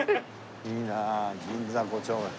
いいなあ銀座５丁目。